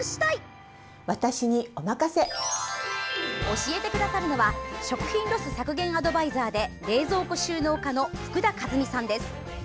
教えてくださるのは食品ロス削減アドバイザーで冷蔵庫収納家の福田かずみさんです。